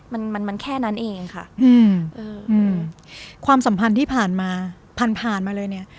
มันมันมันแค่นั้นเองค่ะอืมเอออืมความสัมพันธ์ที่ผ่านมาผ่านผ่านมาเลยเนี้ย